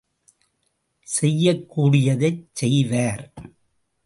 செய்யக் கூடியதைச் செய்வார்!